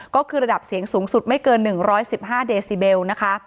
ก็คือระดับเสียงสูงสุดไม่เกิน๑๑๕เดซิเบลนะคะ